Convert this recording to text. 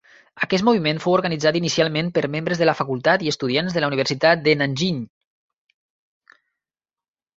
Aquest moviment fou organitzat inicialment per membres de la facultat i estudiants de la universitat de Nanjing.